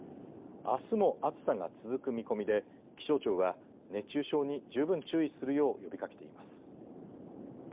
あすも暑さが続く見込みで気象庁は熱中症に十分注意するよう呼びかけています。